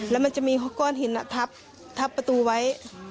แล้วมันจะมีก้อนหินทับประตูไว้